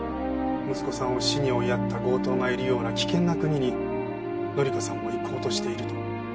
息子さんを死に追いやった強盗がいるような危険な国に紀香さんも行こうとしていると。